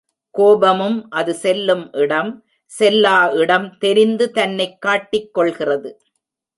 கோபமும் அது செல்லும் இடம், செல்லா இடம் தெரிந்து தன்னைக் காட்டிக்கொள்கிறது.